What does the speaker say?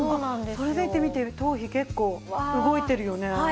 それでいて見て頭皮結構動いてるよね。